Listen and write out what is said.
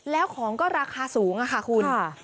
แล้วของก็ราคาสูงค่ะคุณ